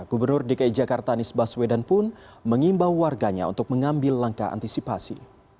gubernur dki jakarta anies baswedan pun mengimbau warganya untuk mengambil langkah antisipasi